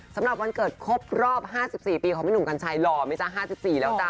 สำหรับวันเกิดครบรอบ๕๔ปีของพี่หนุ่มกัญชัยหล่อไหมจ๊ะ๕๔แล้วจ้